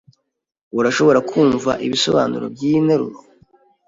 Urashobora kumva ibisobanuro byiyi nteruro?